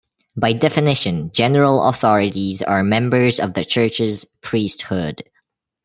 By definition, general authorities are members of the church's priesthood.